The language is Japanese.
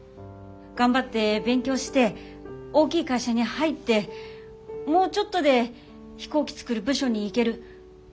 頑張って勉強して大きい会社に入ってもうちょっとで飛行機作る部署に行ける。